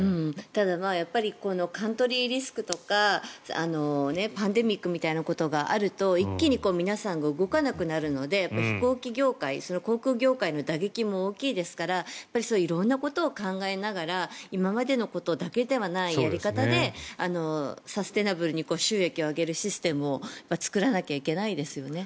カントリーリスクとかパンデミックみたいなことがあると一気に皆さんが動かなくなるので飛行機業界、航空業界の打撃も大きいですから色んなことを考えながら今までのことだけではないやり方でサステイナブルに収益を上げるシステムを作らないといけないですよね。